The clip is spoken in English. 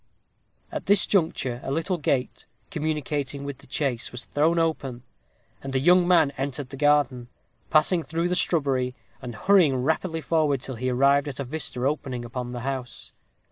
At this juncture a little gate, communicating with the chase, was thrown open, and a young man entered the garden, passing through the shrubbery, and hurrying rapidly forward till he arrived at a vista opening upon the house.